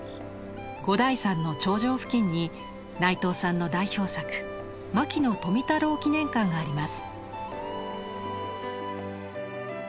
五台山の頂上付近に内藤さんの代表作牧野富太郎記念館があります。